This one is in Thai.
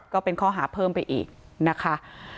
ก็เป็นข้อหาเพิ่มไปอีกนะคะ